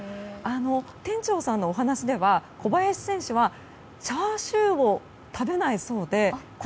店長さんのお話では小林選手はチャーシューを食べないそうで。